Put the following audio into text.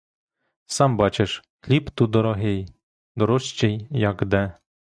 Сам бачиш, — хліб ту дорогий, дорожчий, як де.